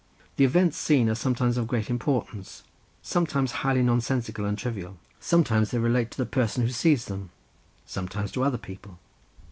The events seen are sometimes of great importance, sometimes highly nonsensical and trivial; sometimes they relate to the person who sees them, sometimes to other people.